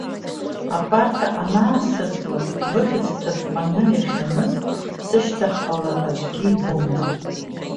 Апарта анаасыртлак, быхьӡ ҭаԥҟаны иахьаныз, сышьҭахьҟала аӡәгьы ибомызт.